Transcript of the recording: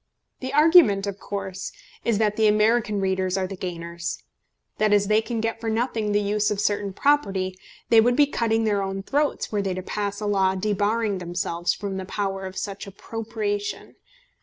The argument of course is, that the American readers are the gainers, that as they can get for nothing the use of certain property, they would be cutting their own throats were they to pass a law debarring themselves from the power of such appropriation.